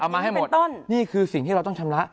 ใช่เอามาให้หมดนี่คือสิ่งที่เราต้องชำระ